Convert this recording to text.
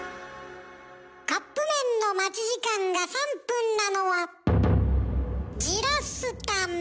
カップ麺の待ち時間が３分なのは焦らすため。